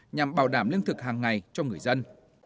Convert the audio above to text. nhằm bảo đảm lương thực hàng ngày cho người dân